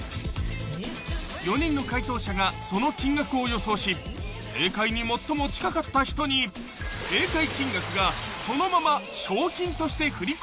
［４人の解答者がその金額を予想し正解に最も近かった人に正解金額がそのまま賞金として振り込まれる］